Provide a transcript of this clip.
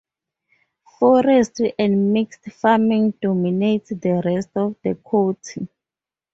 Forestry and mixed farming dominate the rest of the county.